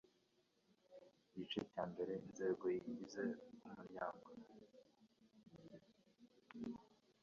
igice cya mbere inzego zigize umuryango